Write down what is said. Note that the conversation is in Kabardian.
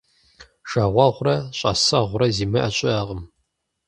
Жагъуэгъурэ щIасэгъурэ зимыIэ щыIэкъым.